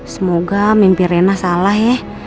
semoga mimpi rena salah ya